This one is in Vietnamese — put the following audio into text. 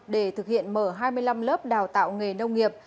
để thực hiện mở hai mươi năm lớp đào tạo nghề nông nghiệp